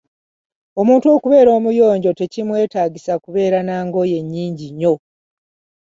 Omuntu okubeera omuyonjo tekimwetaagisa kubeera nangoye nnyingi nnyo.